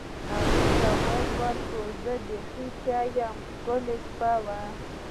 هغې ځواب ورکړ: زه بیخي ښه یم، ښکلې شپه وه.